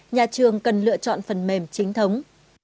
nhà trường cần lựa chọn phần mềm chính thống